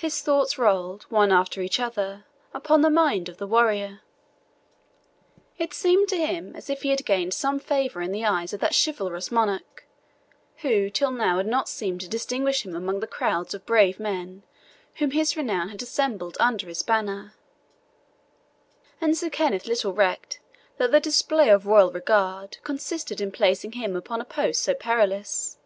High thoughts rolled, one after each other, upon the mind of the warrior. It seemed to him as if he had gained some favour in the eyes of the chivalrous monarch, who till now had not seemed to distinguish him among the crowds of brave men whom his renown had assembled under his banner, and Sir Kenneth little recked that the display of royal regard consisted in placing him upon a post so perilous.